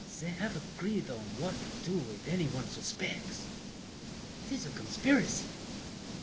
They have agreed On what to do, if any one suspects. 'Tis a conspiracy.